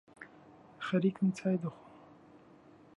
خەریکم چای دەخۆم